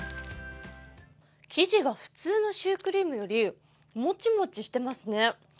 生地が普通のシュークリームよりもちもちしてますね。